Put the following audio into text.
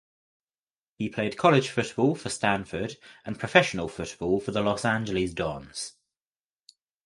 He played college football for Stanford and professional football for the Los Angeles Dons.